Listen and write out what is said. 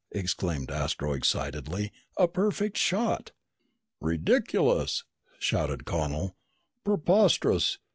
exclaimed Astro excitedly. "A perfect shot!" "Ridiculous!" shouted Connel. "Preposterous!